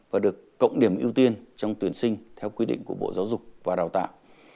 và được cộng điểm ưu tiên trong tuyển sinh theo quy định của bộ giáo dục và đào tạo